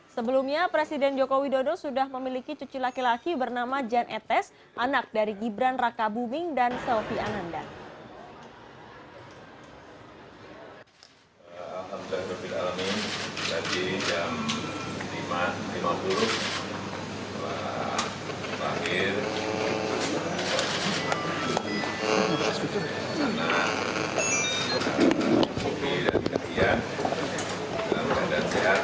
sebelumnya presiden jokowi dodo sudah memiliki cucu laki laki bernama jan etes anak dari gibran raka buming dan sophie ananda